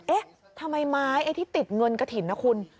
เอ๊ะทำไมไม้ไอ้ที่ติดเงินกระถิ่นนะคุณ